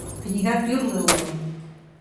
Книга тӱрлӧ уло.